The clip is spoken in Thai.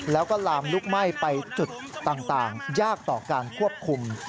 แล้วก็ลามลุกไหม้ไปจุดต่างยากต่อการควบคุม